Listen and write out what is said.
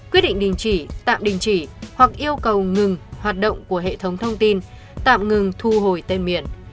quyết định đình chỉ tạm đình chỉ hoặc yêu cầu ngừng hoạt động của hệ thống thông tin tạm ngừng thu hồi tên miền